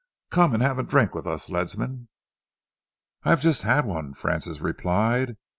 Come and have a drink with us, Ledsam." "I have just had one," Francis replied.